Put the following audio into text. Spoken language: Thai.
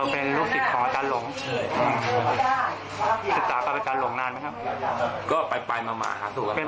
พอรู้แม่กว่าอาจารย์ลงคล้าดูจากไหน